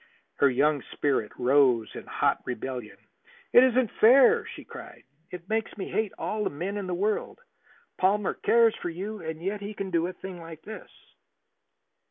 Her young spirit rose in hot rebellion. "It isn't fair!" she cried. "It makes me hate all the men in the world. Palmer cares for you, and yet he can do a thing like this!"